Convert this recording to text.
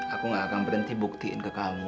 aku gak akan berhenti buktiin ke kamu